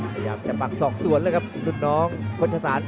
พยายามจะปักสอกส่วนแล้วครับทุกน้องพัชฌาศาล